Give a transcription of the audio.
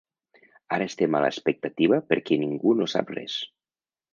Ara estem a l’expectativa perquè ningú no sap res.